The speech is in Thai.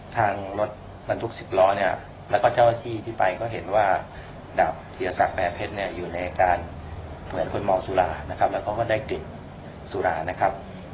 ทางรถบรรทุกสิบล้อและเจ้าที่ที่ไปก็เห็นว่าดาบเทียสักแพร่เพชรอยู่ในอาการเหมือนคนเหมาสุราแล้วก็ได้กลิ่นสุรา